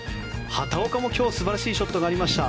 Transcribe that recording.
畑岡も今日素晴らしいショットがありました。